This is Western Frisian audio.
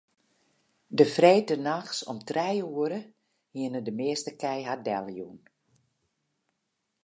De freedtenachts om trije oere hiene de measte kij har deljûn.